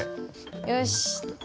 よし。